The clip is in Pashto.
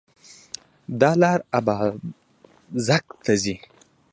دا لار اببازک ته ځي